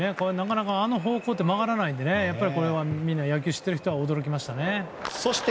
あの方向って曲がらないのでこれはみんな野球を知っている人は驚きましたね。